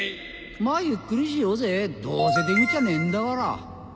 まぁゆっくりしようぜどうせ出口はねえんだから。